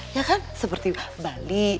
ya kan seperti bali